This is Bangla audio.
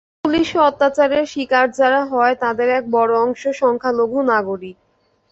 পুলিশি অত্যাচারের শিকার যারা হয়, তাদের এক বড় অংশ সংখ্যালঘু নাগরিক।